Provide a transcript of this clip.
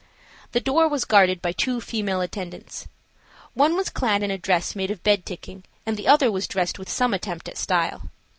The door was guarded by two female attendants. One was clad in a dress made of bed ticking and the other was dressed with some attempt at style.